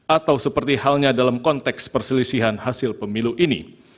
atau seperti halnya dalam konteks perselisihan hasil pemilu ini